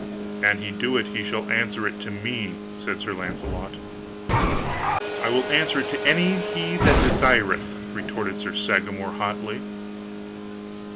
"An he do it, he shall answer it to me," said Sir Launcelot. "I will answer it to any he that desireth!" retorted Sir Sagramor hotly.